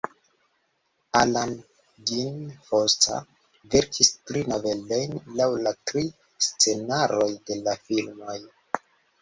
Alan Dean Foster verkis tri novelojn laŭ la tri scenaroj de la filmoj.